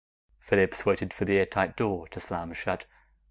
Phillips waited for the airtight door to slam shut.